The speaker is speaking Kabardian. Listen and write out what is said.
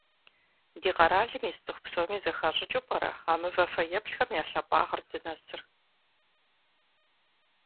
Ди къэралым ис цIыху псоми зэхащIыкIыу пIэрэ а мывэ фэеплъхэм я лъапIагъыр здынэсыр?